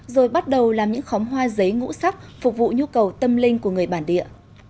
rồi bắt đầu làm những khóm hoa giấy ngũ sắc phục vụ nhu cầu tâm linh của người bản địa